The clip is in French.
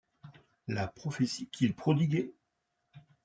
La prophétie qu’il prodiguait ?